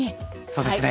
そうですね。